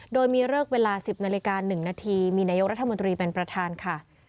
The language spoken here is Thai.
โดยมีเลิกเวลา๑๐นาฬิกา๑นาทีมีนายกรัฐมนตรีเป็นประธานค่ะ